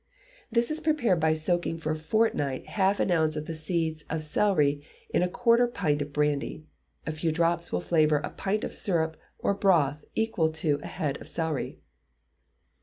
This is prepared by soaking for a fortnight half an ounce of the seeds of celery in a quarter of a pint of brandy. A few drops will flavour a pint of soup or broth equal to a head of celery.